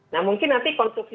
nah mungkin nanti konstruksi